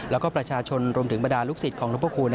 แล้วก็ประชาชนรวมถึงบรรดาลูกศิษย์ของหลวงพระคุณ